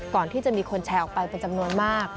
ก่อนที่จะมีคนแชร์ออกไปเป็นจำนวนมาก